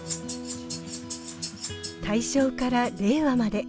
大正から令和まで。